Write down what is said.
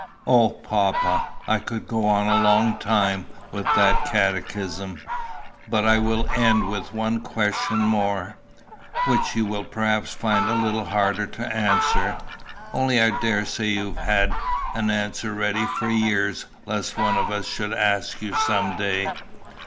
"O, papa, I could go on a long time with that catechism; but I will end with one question more, which you will perhaps find a little harder to answer. Only I daresay you have had an answer ready for years lest one of us should ask you some day."